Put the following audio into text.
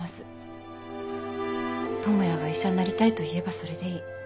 智也が医者になりたいと言えばそれでいい。